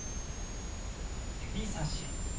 指さし。